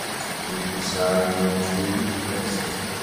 This design will be too expensive.